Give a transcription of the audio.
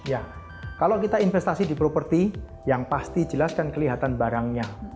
ya kalau kita investasi di properti yang pasti jelas kan kelihatan barangnya